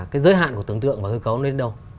cái giới hạn của tưởng tượng và cơ cấu nó đến đâu